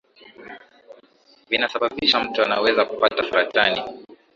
vinasababisha mtu anaweza kupata saratani ya